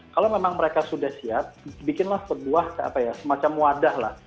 kalau memang mereka sudah siap bikinlah sebuah semacam wadah lah